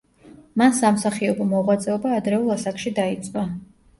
მან სამსახიობო მოღვაწეობა ადრეულ ასაკში დაიწყო.